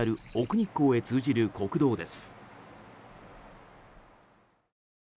日光へ通じる国道です。